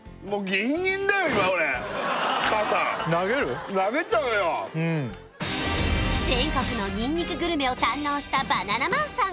今俺肩全国のにんにくグルメを堪能したバナナマンさん